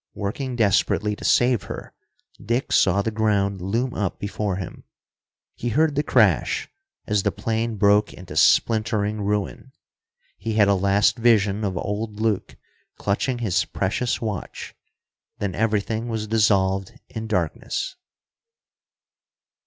Working desperately to save her, Dick saw the ground loom up before him. He heard the crash as the plane broke into splintering ruin ... he had a last vision of old Luke clutching his precious watch: then everything was dissolved in darkness....